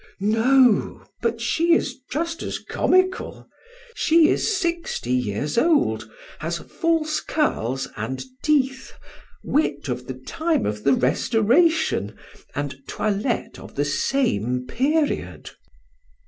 "No. But she is just as comical. She is sixty years old, has false curls and teeth, wit of the time of the Restoration, and toilettes of the same period."